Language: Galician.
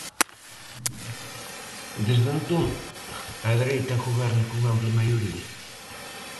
Desde entón, a dereita goberna con ampla maioría.